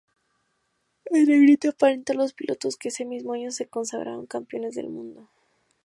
En negrita aparecen los pilotos que ese mismo año se consagraron campeones del mundo.